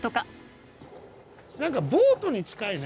何かボートに近いね。